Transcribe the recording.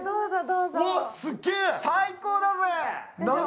最高だぜ！